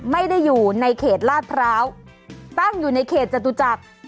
ไม่ได้อยู่ในเขตลาดพร้าวตั้งอยู่ในเขตจตุจักร